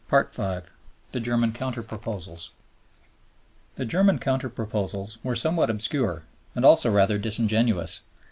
The German Counter Proposals The German counter proposals were somewhat obscure, and also rather disingenuous.